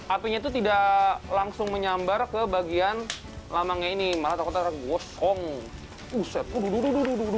apinya itu tidak langsung menyambar ke bagian lamangnya ini malah takutnya gosong uset